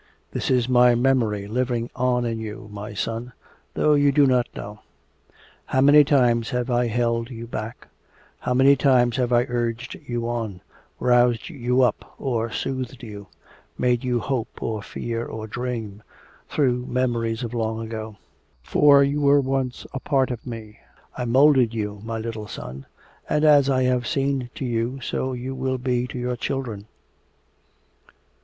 This is my memory living on in you, my son, though you do not know. How many times have I held you back, how many times have I urged you on, roused you up or soothed you, made you hope or fear or dream, through memories of long ago. For you were once a part of me. I moulded you, my little son. And as I have been to you, so you will be to your children.